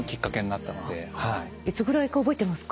いつぐらいか覚えてますか？